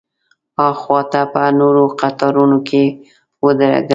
ها خوا ته په نورو قطارونو کې ودرېدل.